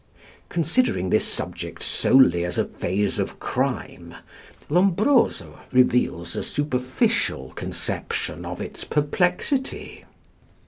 Considering this subject solely as a phase of crime, Lombroso reveals a superficial conception of its perplexity.